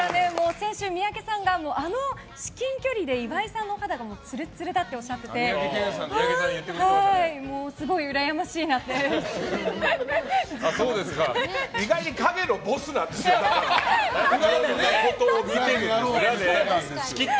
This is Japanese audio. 先週、三宅さんがあの至近距離で岩井さんの肌がツルツルだとおっしゃっててすごいうらやましいなと思ってて。